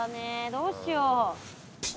どうしよう。